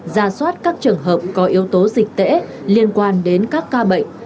ra soát các trường hợp có yếu tố dịch tễ liên quan đến các ca bệnh